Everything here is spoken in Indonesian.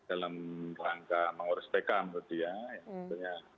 angka mengurus pkm berarti ya